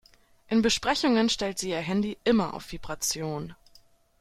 In Besprechungen stellt sie ihr Handy immer auf Vibration.